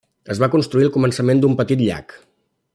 Es va construir al començament d'un petit llac.